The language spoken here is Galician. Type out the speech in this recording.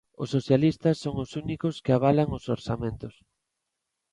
Os socialistas son os únicos que avalan os Orzamentos.